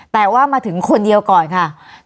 แต่ว่ามาถึงคนเดียวก่อนค่ะ